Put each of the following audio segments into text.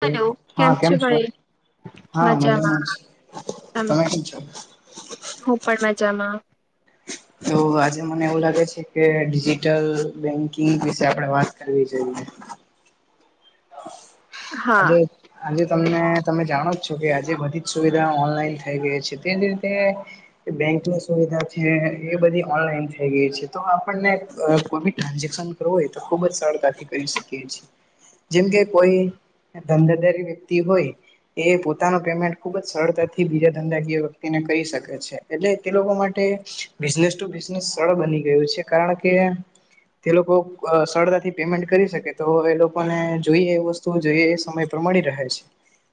Hello કેમ છો ભાઈ હા છે મજામાં. તમે કેમ છો હું પણ મજામાં. તો આજે મને એવું લાગે છે કે ડિજિટલ બેન્કિંગ વિશે આપડે વાત કરવી જોઈએ. હા આજે આજે તમને તમે જાણો છો કે આજે બધી જ સુવિધા ઓનલાઈન થઈ ગઈ છે તે જ રીતે બેંકની સુવિધા છે એ બધી ઓનલાઈન થઈ ગઈ છે તો આપણને કોઈ બી ટ્રાન્ઝેક્શન તો ખુબ જ સરળતાથી કરી શકીએ છીએ જેમકે કોઈ ધંધારી વ્યક્તિ હોય એ પોતાનો પેમેન્ટ ખુબ જ સરળતાથી બીજા ધંધાકીય વ્યક્તિને કરી શકે છે. એટલે તે લોકો માટે બિઝનેસ ટુ બિઝનેસ સરળ બની ગયું છે કારણ કે તે લોકો સરતાથી પેમેન્ટ કરી શકે તો એ લોકોને જોઈએ એ વસ્તુ જોઈએ સમય પ્રમાણી રહે છે.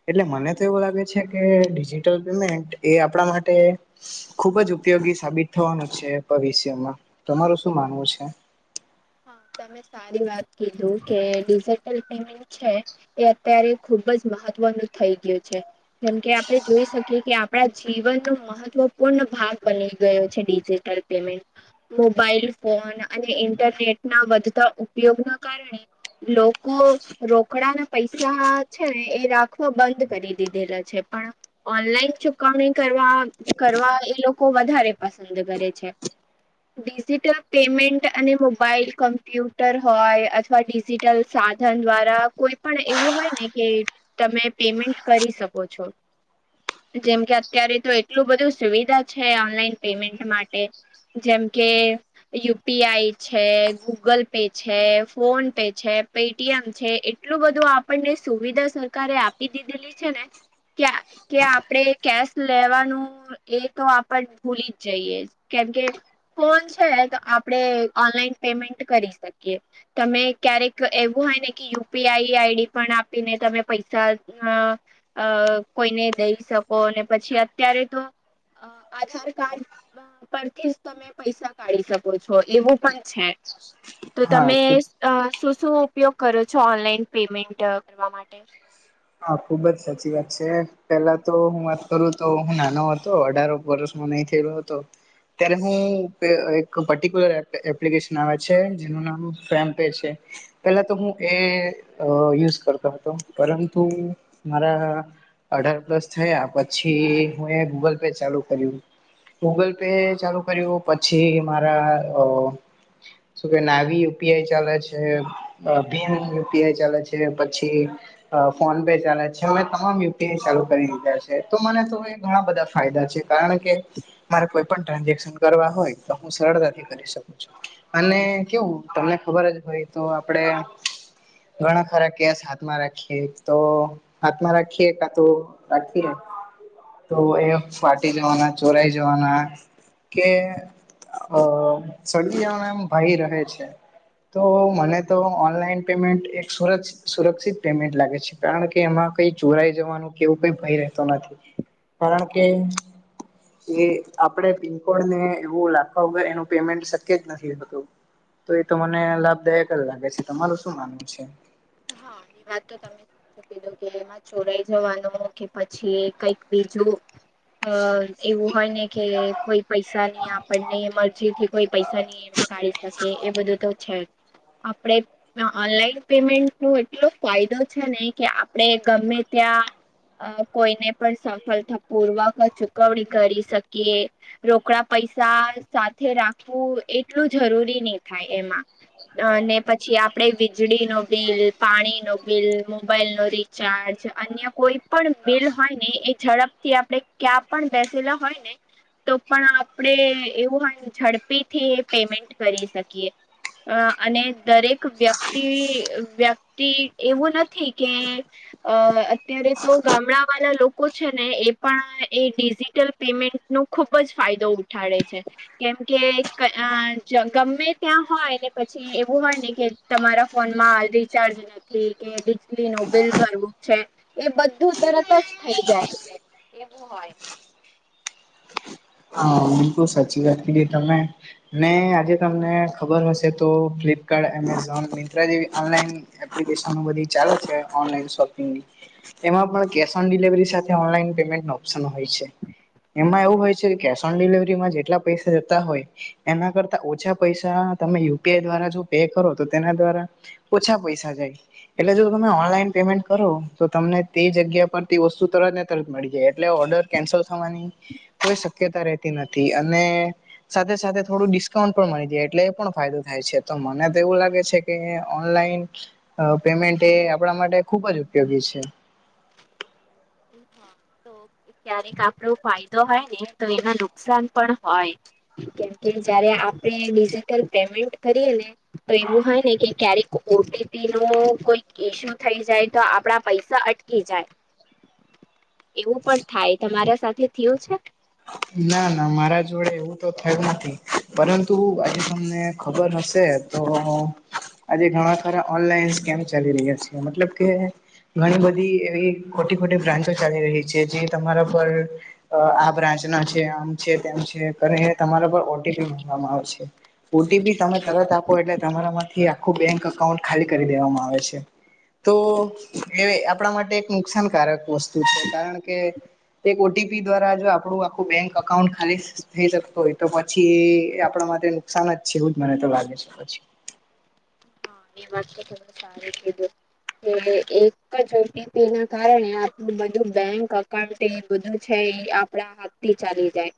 એટલે મને તો એવું લાગે છે કે ડિજિટલ પેમેન્ટ એ આપણા માટ ખુબ જ ઉપયોગી સાબિત થવાનું છે ભવિષ્યમાં તમારું શું માનવું છે? હા તમે સારી વાત કીધું કે ડિજિટલ પેમેન્ટ છે એ અત્યારે ખુબ જ મહત્વનું થઈ ગયું છે. જેમકે આપણે જોઈ શકીએ કે આપણા જીવનનો મહત્વપૂર્ણ ભાગ બની ગયો છે ડિજિટલ પેમેન્ટ મોબાઇલ ફોન અને ઇન્ટરનેટ ના વધતા ઉપયોગ ના કારણે લોકો રોકડા ના પૈસા છેને એ રાખવા બંધ કરી દીધેલા છે પણ ઓનલાઈન ચુકવણી કરવા કરવા એ લોકો વધારે પસંદ કરે છે. ડિજિટલ પેમેન્ટ અને મોબ મોબાઈલ કમ્પ્યુટર હોય અથવા ડિજિટલ સાધન દ્વારા કોઈ પણ એવું હોય ને કે તમે પેમેન્ટ કરી શકો છો. જેમ કે અત્યારે તો એટલું બધું સુવિધા છે ઓનલાઈન પેમેન્ટ માટે જેમ કે યુપીઆઈ છે, ગૂગલ પે છે, ફોન પે છે, પેટીએમ છે. એટલું બધું આપણને સુવિધા સરકારે આપી દીધેલી છે ને કે આપડે કેશ લેવાનું એ તો આપણ ભૂલી જ જઈએ કેમકે ફોન છે તો આપડે ઓનલાઈન પેમેન્ટ કરી શકીએ. તમે ક્યારેક એવું હોય ને કે યુપીઆઈ આઈડી પણ આપીને તમે પૈસા અ અ કોઈને દઈ શકો અને પછી અત્યારે તો અ આધાર કાર્ડ પરથી જ તમે પૈસા કાઢી શકો છો એવું પણ છે તો હા તમે ખુબ અ શું શું ઉપયોગ કરો છો ઓનલાઈન પેમેન્ટ કરવા માટે? હા ખુબ જ સાચી વાત છે પેલા તો હું વાત કરું તો હું નાનો હતો અઢાર વર્ષ નહીં થયેલો હતો અ્યારે હું પે અ એક પર્ટિક્યુલર એપ એપ્લિકેશન આવે છે જેનું નામ ફમ પે છે પેલા તો હું એ અ યુઝ કરતો હતો પરંતુ મારા અઢાર પ્લસ થયા પછી હુ એ ગૂગલ પે ચાલુ કર્યું ગૂગલ પે ચાલુ કર્યું પછી મારા અ શું કે ના આવી યુપીઆઈ ચાલે છે ભીમ યુપીઆઈ ચાલે છે પછી અ ફોન પે ચાલે છે મે તમામ યુપીઆઈ ચાલુ કરી દીધા છે તો મને તો ઘણા બધા ફાયદા છે કારણ કે મારે કોઈ પણ ટ્રાન્ઝેક્શન કરવા હોય તો હું સરળતાથી કરી શકું છું અને કેવું તમને ખબર જ હોયે તો આપડે ઘણા ખરા કેસ હાથમાં રાખીએ તો હાથમાં રાખીએ કા તો રાખીએ તો એ ફાટી જવાના ચોરાઈ જવાના કે અ સડગી જવાનાં એમ ભઈ રહે છે તો મને તો ઓનલાઈન પેમેન્ટ એકર સુર સુરક્ષિત પેમેન્ટ લાગે છે કારણ કે એમાં કઈ ચોરાઈ જવાનું કેવું કઈ ભય રહેતો નથી કારણ કે એ આપણે પિનકોડને એવું લખવા વગર એનું પેમેન્ટ શક્ય જ નથી હોતું તો એ તો મને લાભદાયક જ લાગે છે તમારું શું માનવું છે હા એ વાત તો તમે સાચું કીધું કે એમાં ચોરાઈ જવાનું કે પછી કઈક બીજું અ એવું હોય ને કે કોઈ પૈસા ની આપણને મરજી થી કોઈ પૈસા ની કાઢી શકે એ બધું તો છે આપણે ઓનલાઈન પેમેન્ટ તો એટલો ફાયદો છે ને કે આપડે ગમે ત્યાં અ કોઈને પણ સફળતાપૂર્વક ચૂકવણી કરી શકીએ રોકડા પૈસા સાથે રાખવું એટલું જરૂરી નહી થાય એમાં અને પછી આપડે વીજળી નો બિલ પાણી નો બિલ મોબાઈલ નો રિચાર્જ અન્ય કોઈ પણ બિલ હોય ને એ ઝડપ થી આપણેે ક્યાં પણ બેસેલા હોય ને તો પણ આપડે એવું હોયે ને ઝડપી થી પેમેન્ટ કરી શકીએ અ અને દરેક વ્યક્તિ વ્યક્તિ એવું નથી કે અ અત્યારે તો ગામડા વાળા લોકો છે ને એ પણ એ ડિજિટલ પેમેન્ટ નો ખુબ જ ફાયદો ઉઠાડે છે કેમ કે અ ગમે ત્યાં હોય ને પછી એવું હોય ને કે તમારા ફોન માં રી ચાર્જ જ નથી કે વીજળ નું બિલ ભરવું છે એ બધું તરત જ થઈ જાય છે એવું હોય હ બિલકુલ સાચી વાત કીથી તમે ને આજે તમને ખબર હશે તો ફ્લિપકાર્ટ એમેઝોન મિન્ટ્ર જેવી ઓનલાઈન એપ્લિકેશન ઓ બધી ચાલે છે ઓનલાઈન શોપિંગ ની એમાં પણ કેશ ઓન ડિલવરી સાથે ઓનલાઈન પેમેન્ટ નો ઓપ્શન હોય છે એમાં એવું હોય છે કેશ ઓન ડિલવરીમાં જેટલા પૈસા રહેતા હોય એના કરતા ઓછા પૈસા તમે યુપીઆઈ દ્વારા જો પે કરો તો તેના દ્વારા ઓછા પૈસા જાય એટલે જો તમે ઓનલાઈન પેમેન્ટ કરો તો તમને તે જગ્યા પરથી વસ્તુ તરતને તરત મળી જાય એટલે ઓર્ડર કેન્સલ થવાની કોઈ શક્યતા રહેતી નથી અને સાથે સાથે થોડું ડિસ્કાઉન્ટ પણ મળી જાય એટલે એ પણ ફાયદો થાય છે તો મને તો એવું લાગે છે કે ઓનલાઈન પેમેન્ટ એ આપણા માટે ખુબ જ ઉપયોગી છે હા તો ક્યારેક આપડો ફાયદો હોય ને તો એમાં નુકસાન પણ હોય કેમકે જયારે આપડે ડિજિટલ પેમેન્ટ કરીએ ને તો એવું હોય ને કે ક્યારેક ઓટીપી નો કોઈ ઈસ્યુ થઈ જાય તો આપડા પૈસા અટ કી જાય એવું પણ થાય તમારા સાથે થયું છે ના ના મારા જોડે એવું તો થયું નથી પરંતુ આ તમને ખબર હશે તો આજે ઘણા ખાર ઓનલાઈન સ્કેમ ચાલી રહ્યા છેી મતલબ કે ઘણી બધી એવી ખોટી ખોટી બ્રાન્ચો ચાલી રહી છે જે તમારા પર આ બ્રાન્ચ ના છે આમ છે તેમ છે તમારા પર ઓટીપી મગવામાં આવે છે ઓટીપી તમે તરત આપો એટલે તમારા માંથી આખું બેંક અકાઉન્ટ ખાલી કરી દેવામાં આવે છે તો એ આપણા માટે એક નુકસાનકારક વસ્તુ છે કારણ કે એક ઓટીપી દ્વારા જો આપણું આખું બેંક અકાઉન્ટ ખાલી થઈ શકતો હોય તો પછી એ આપણા માટે નુકસાન જ છે એું જ મને તો લાગે છે પછી હા એ વાત તો થને સારું કીધું એ એક જી પી ના કારણે આપણું બધું બેંક અકાઉન્ટ તે બધું છે એ આપડા હાથ થી ચાલી જાય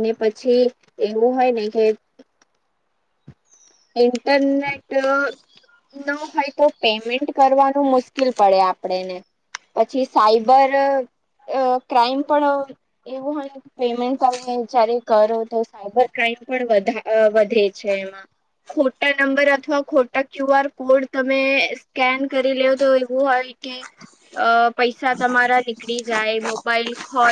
ને પછી એવું હોય ને કે ઇન્ટરનેટ ન હોય તો પેમેન્ટ કરવાનું મુશ્કેલ પડે આપણેેને પછી સાઈબર ક્રાઈમ પણ એવું હોય પેમેન્ટ તમે જયારે કરો તો સાયબર ક્રાઈમ પણ વધે છે એમાં ખોટા નંબર અથવા ખોટા ક્યુ આર કોડ તમે સ્કેન કરી લે તો એવું હોય કે અ પૈસા તમારા નીકળી જાય મોબાઈલ ખય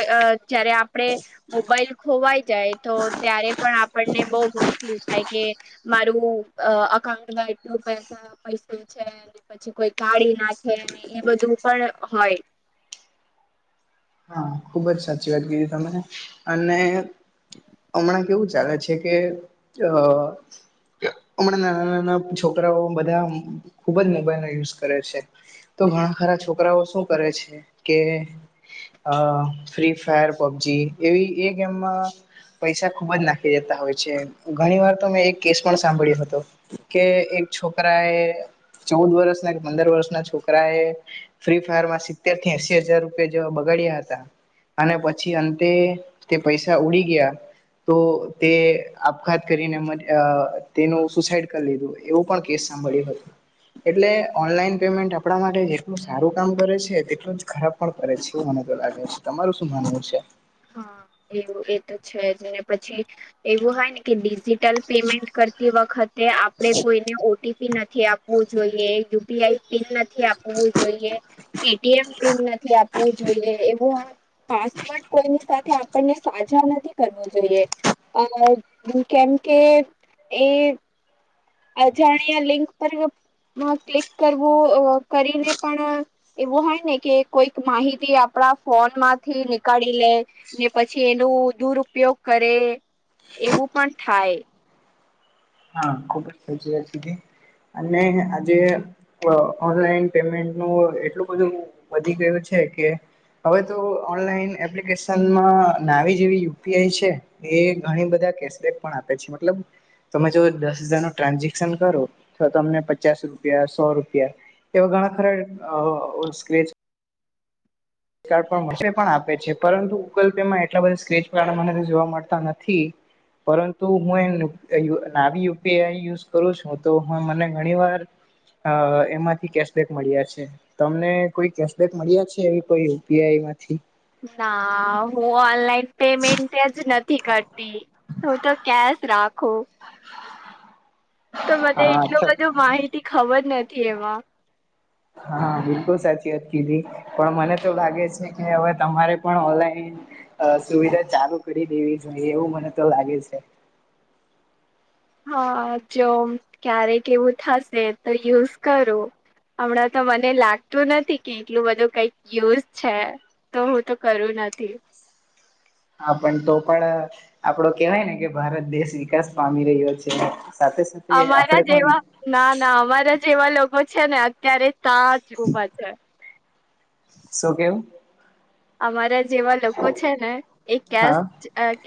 જય્યારે આપડણે મોબાઈલ ખોવાઈ જાય તો ત્યારે પણ આપણને બહુ મુશ્કેલ થાય કે એટલું અકાઉન્ટમાં એટલું પસા પૈસે છે [unintelligible] પછી કોઈ કાઢી નાખે એ બધું પણ હોય હા ખુબ જ સાચી વાત ક તને અને હમણાં કેવું છે કે અ હમણાં નાના નાના છોકરાઓ બધા ખુબ જ મોબાઈલ ન યુઝ કરે છે તો ઘણા ખરા છોકરાઓ શું કરે છે કે અ ફ્રી ફાયર પબજી એવી એ ગેમમાં પૈસા ખુબ જ નાખી દેતા હોય છે ઘણી વાર તો મેં એક કેસ પણ સાંભળ્યો હતો કે એક છોકરા એ ચૌદ વર્ષ ના કે પંદર વર્ષ ના છોકરા એ ફ્રી ફાયર માં સિત્તેર થી એસી હજાર રૂપિયા જેવા બગાડ્યા હતા અને પછી અંતે તે પૈસા ઉડી ગયા તો તે આપઘાત કરીને તેનું સુસાઈડ કરી લીધું એવું પણ કેસ સાંભળ્યું હતોું એટલે ઓનલાઈન પેમેન્ટ આપણા માટે જેટલું સારું કામ કરે છે તેટલું જ ખરાબ પણ કરે છે મ લાગે છે તમારું શું માનવું છે હા એવું એ તો છે જ ને પછી એવું હોય ને કે ડિજિટલ પેમેન્ટ કરતી વખતે આપણે કોઈ ઓટીપી નથી આપવું જોઈએ યુપીઆઈ પિન નથી આપવું જોઈએ એટીએમ પિન નથી આપવું જોઈએ એવું પાસવર્ડ કોઈની સાથે આપણને સાજા નથી કરવો જોઈએ અ કેમ કે એ અજાણ્યા લિંક પર ક્લિક કરવું કરીને પણ એવું હોય ને કે કોઈક માહિતી આપણા ફોન માંથી નીકાળી લે ને પછી એનું દુરપયોગ કરે એવું પણ થાય હા ખુબ જ સચી વાતીધી અને આજે ઓનલાઈન પેમેન્ટ ન એટલું બધું વધી ગયું છે કે હવે તો ઓનલાઈન એપ્લિકેશનમાં નાવી જેવી યુપીઆઈ છે એ ઘણી બધા કેશબેક પણ આપે છે મતલબ તમે જો દસ હજાર નું ટ્રાન્ઝેક્શન કરો તો અમને પચાસ રૂપિયા સો રૂપિયા એવા ઘણા ખરા સ્કચ પણ આપે છે પરંતુ ગુગલ પેમાં એટલા બધા સ્ક્રેચ કાર્ડ મને જોવા મળતા નથી પરંતુ હું યુપીઆઈ યુઝ કરું છું તો હ મને ઘણી વાર અ એમાંથી કેશબેક મળ્યા છે તમને કોઈ કેશબેક મળ્યા છે કોઈ યુપીઆઈમાંથી ના ઓનલાઈન પેમેન્ટ જ નથી કરતી હું તો કેશ રાખો તો મને એટલું હા બધું માહિતી ખબર નથી એમાં હા બિલકુલ સાચી વાત કીધી પણ મને તો લાગે છે કે હવે તમારે પણ ઓનલાઈન અ સુવિધા ચાલુ કરી દેવી જોઈએ એવું મને તો લાગે છે હા જો ક્યારેક એવું થશે તો યુઝ કરું હમણાં તો મને લાગતું નથી કે એટલું બધું કઈક યુઝ છે તો હું તો કરું નથી હા પણ તો પણ આપડો કેવાય ને કે ભારત દેશ વિકાસ પામી રહ્યો છે સાથે સાથે અમારા આપડે પણ જેવા ના ના અમારા જેવા લોકો છે ને અત્યારે સાજ ઉભા છે. શું કેમ? અમારા જેવા લોકો છે ને એ કેસ હા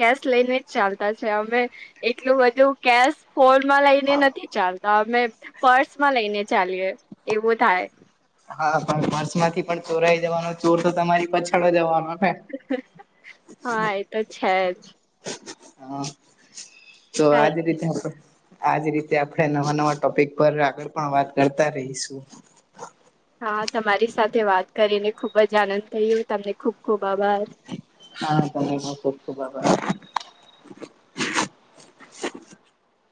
કેશ લઈને જ ચાલતા છે, અમે એટલું બધું કેશ ફોનમાં લઈને નથી ચાલતા, અમે પર્સમાં લઈને ચાલીએ એવું થાય. હા પણ પર્સમાંથી પણ ચોરાઈ જવાનો ચોર તો તમારી પાછળ જ આવાનો ને. હા એતો છે જ. હા તો કઈ આજ રીતે આપ આજ રીતે આપણે નવા નવા ટોપિક પર આગળ પણ વાત કરતા રહીશું. હા તમારી સાથે વાત કરીને ખૂબ જ આનંદ થયો, તમને ખૂબ ખૂબ આભાર. હા તમને પણ ખૂબ ખૂબ આભાર.